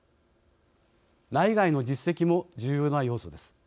内外の実績も重要な要素です。